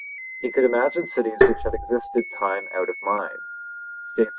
He could imagine cities which had existed time out of mind (States.